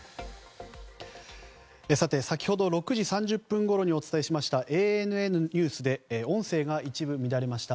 先ほど６時３０分ごろにお伝えしたＡＮＮニュースで音声が一部乱れました。